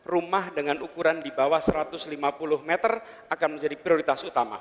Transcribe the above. rumah dengan ukuran di bawah satu ratus lima puluh meter akan menjadi prioritas utama